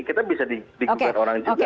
kita bisa di gugat orang juga